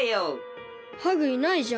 ハグいないじゃん。